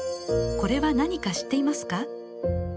これは何か知っていますか？